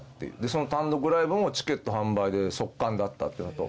その単独ライブもチケット販売で即完だったっていうのと。